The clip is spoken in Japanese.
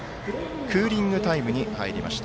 クーリングタイムに入りました。